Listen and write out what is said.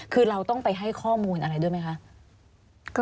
คือเราต้องไปให้ข้อมูลอะไรด้วยไหมคะ